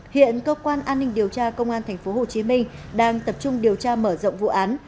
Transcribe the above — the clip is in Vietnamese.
hiện cơ quan an ninh điều tra công an tp hcm đang tập trung điều tra mở rộng vụ án